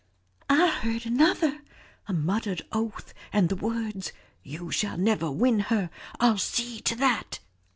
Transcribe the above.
"I heard another; a muttered oath and the words, 'You shall never win her. I'll see to that.'